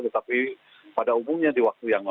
tetapi pada umumnya di waktu yang lalu